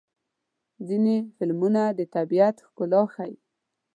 ځینې فلمونه د طبیعت ښکلا ښيي.